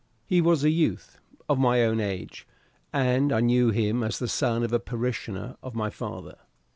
He was a youth of my own age, and I knew him as the son of a parishioner of my father.